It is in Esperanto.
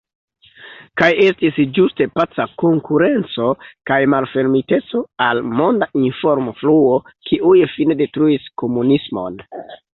Kaj estis ĝuste paca konkurenco kaj malfermiteco al monda informofluo, kiuj fine detruis komunismon.